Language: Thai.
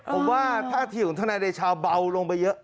ผมว่าท่าทีของทนายเดชาเบาลงไปเยอะ